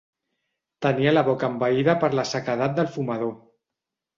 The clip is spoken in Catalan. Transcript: Tenia la boca envaïda per la sequedat del fumador.